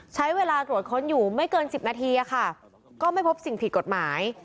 ใช้เวลาตรวจค้นอยู่ไม่เกิน๑๐นาทีค่ะก็ไม่พบสิ่งผิดกฎหมาย